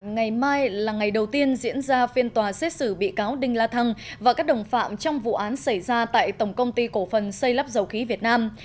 ngày mai là ngày đầu tiên diễn ra phiên tòa xét xử bị cáo đinh la thăng và các đồng phạm trong vụ án xảy ra tại tổng công ty cổ phần xây lắp dầu khí việt nam